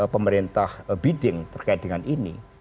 pemerintah bidding terkait dengan ini